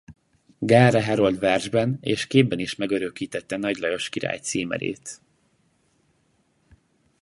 Gelre herold versben és képben is megörökítette Nagy Lajos király címerét.